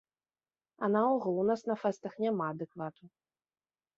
А наогул, у нас на фэстах няма адэквату.